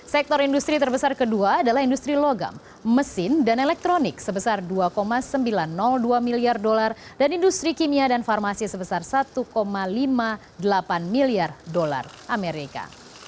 sektor industri terbesar kedua adalah industri logam mesin dan elektronik sebesar dua sembilan ratus dua miliar dolar dan industri kimia dan farmasi sebesar satu lima puluh delapan miliar dolar amerika